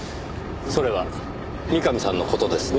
それは三上さんの事ですね？